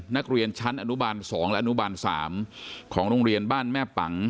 นักเรียนชั้นอนุบาล๒และอนุบาล๓ของโรงเรียนบ้านแม่ปัง